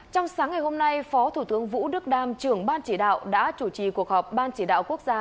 trong sáng ngày hôm nay phó thủ tướng vũ đức đam trưởng ban chỉ đạo đã chủ trì cuộc họp ban chỉ đạo quốc gia